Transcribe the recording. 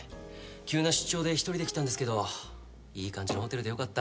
急な出張で一人で来たんですけどいい感じのホテルでよかった。